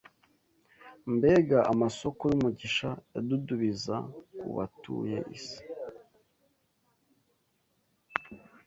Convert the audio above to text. Mbega amasoko y’umugisha yadudubiza ku batuye isi!